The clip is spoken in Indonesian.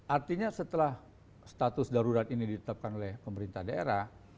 artinya setelah status darurat ini ditetapkan oleh pemerintah daerah